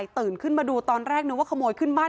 ตื่นขึ้นมาดูตอนแรกนึกว่าขโมยขึ้นบ้าน